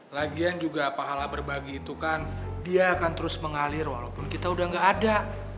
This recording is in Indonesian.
lagian juga pahala berbagi itu kan dia akan terus mengalir walaupun kita udah gak ada